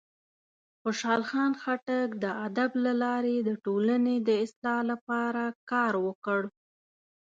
خوشحال خان خټک د ادب له لارې د ټولنې د اصلاح لپاره کار وکړ.